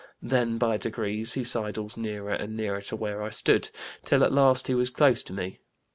Then by degrees he siddles nearer and nearer to where I stood, till at last he was close to me.